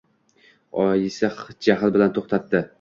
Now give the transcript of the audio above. Oyisi jaxl bilan to‘xtatdi